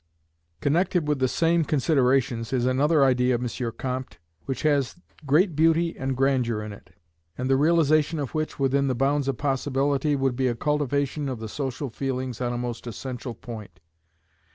Connected with the same considerations is another idea of M. Comte, which has great beauty and grandeur in it, and the realization of which, within the bounds of possibility, would be a cultivation of the social feelings on a most essential point.